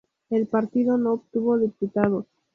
El partido no obtuvo diputados.